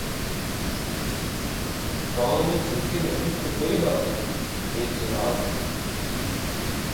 پاؤں میں جوتی نہیں تو کوئی بات نہیں یہ جہاد ہے۔